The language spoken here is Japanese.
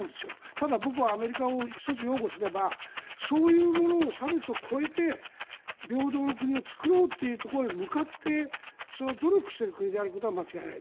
ただ僕はアメリカを１つ擁護すればそういうものを差別を超えて平等の国を作ろうというところに向かって、それを努力している国であることは間違いない。